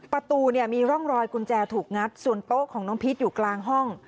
ประตูเนี่ยมีร่องรอยกุญแจถูกงัดส่วนโต๊ะของน้องพีชอยู่กลางห้อง